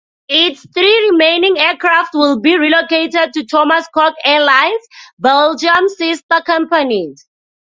Its three remaining aircraft will be relocated to Thomas Cook Airlines Belgium's sister companies.